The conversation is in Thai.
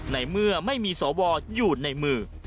ในเมื่อไม่มีสวอยู่ในมือ